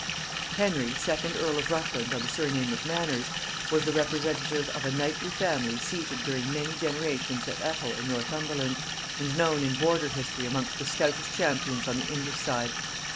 Henry second earl of Rutland of the surname of Manners, was the representative of a knightly family seated during many generations at Ettal in Northumberland, and known in border history amongst the stoutest champions on the English side.